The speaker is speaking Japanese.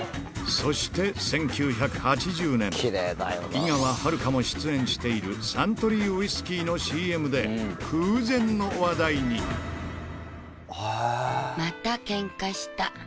そして１９８０年、井川遥も出演しているサントリーウイスキーのＣＭで、またけんかした。